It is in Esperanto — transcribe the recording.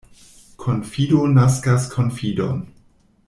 Konfido naskas konfidon.